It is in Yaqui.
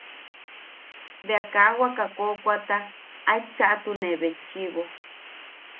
Bea kaa waka koʼokoata aet chaʼatune betchiʼibo.